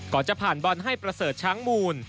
ก่อนจะผ่านบอลให้ประเสริฐช้างมูล